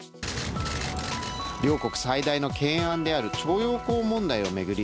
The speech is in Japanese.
両国最大の懸案である徴用工問題を巡り